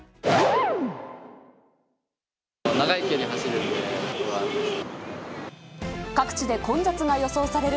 長い距離走るので不安です。